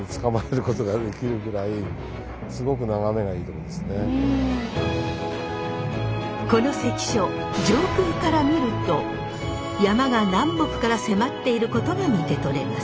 こういうような本当にこの関所上空から見ると山が南北から迫っていることが見て取れます。